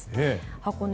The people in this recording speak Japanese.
箱根